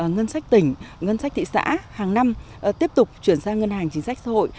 ngân sách tỉnh ngân sách thị xã hàng năm tiếp tục chuyển sang ngân hàng chính sách xã hội